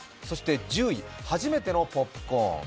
そして１０位、はじめてのポップコーン。